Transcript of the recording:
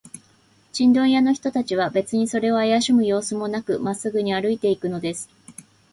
チンドン屋の人たちは、べつにそれをあやしむようすもなく、まっすぐに歩いていくのです。